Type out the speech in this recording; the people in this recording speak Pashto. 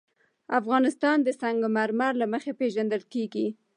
افغانستان د سنگ مرمر له مخې پېژندل کېږي.